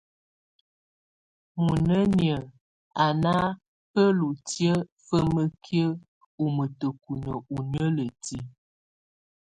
Muinǝ́niǝ́ á ná bǝ́lutiǝ́ fǝ́mǝ́kiǝ́ ú mǝ́tǝ́kunǝ́ ú niǝ́lǝ́ti.